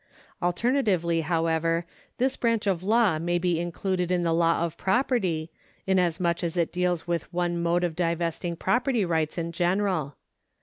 Alternatively, however, this branch of law may be included in the law of property, inasmuch as it deals with one mode of divesting proprietary rights in general.